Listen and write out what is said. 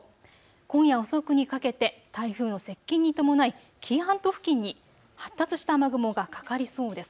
今夜遅くにかけて台風の接近に伴い紀伊半島付近に発達した雨雲がかかりそうです。